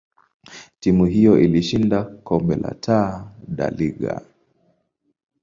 timu hiyo ilishinda kombe la Taa da Liga.